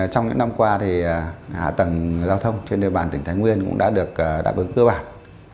trong những năm qua hạ tầng giao thông trên địa bàn tỉnh thái nguyên cũng đã được đáp ứng cơ bản